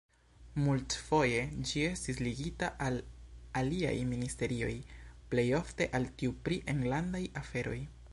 Multfoje ĝi estis ligita al aliaj ministerioj, plej ofte al tiu pri enlandaj aferoj.